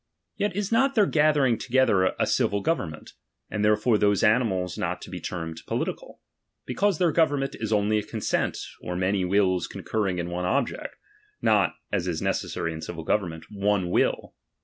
Yet is not their gathering together a civil government, and therefore those animals not to be termed political ; because their government is only a consent, or many wills con curring in one object, not (as is necessary in civil government) one will.